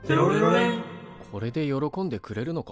これで喜んでくれるのか？